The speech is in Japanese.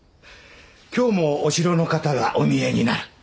今日もお城の方がお見えになる。